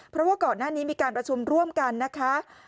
เพราะว่าก่อนหน้านี้มีการประชุมร่วมกันนะคะ